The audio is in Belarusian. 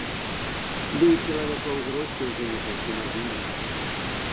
Ды і чалавек ва ўзросце ўжо не такі мабільны.